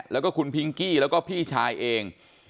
แล้วก็คุณพิงกี้แล้วก็พี่ชายเอง